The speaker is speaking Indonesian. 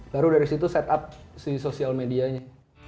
baru dari situ set up si sosial medianya